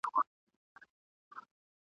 پر کابل مي جنګېدلی بیرغ غواړم !.